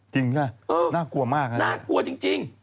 จริงใช่ไหมน่ากลัวมากนะน่ากลัวจริง